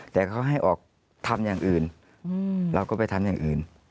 แต่เขาให้ออกทำอย่างอื่นเราก็ไปทำอย่างอื่น